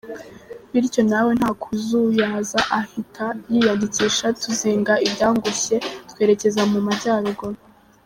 Bityo nawe nta kuzuyaza ahita yiyandikisha tuzinga ibyangushye twerekeza mu majyaruguru.